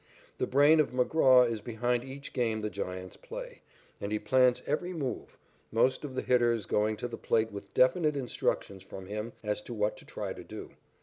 The brain of McGraw is behind each game the Giants play, and he plans every move, most of the hitters going to the plate with definite instructions from him as to what to try to do.